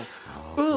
「うん！」